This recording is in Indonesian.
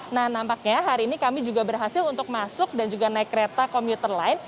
nah nampaknya hari ini kami juga berhasil untuk masuk dan juga naik kereta komuter lain